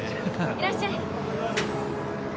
いらっしゃい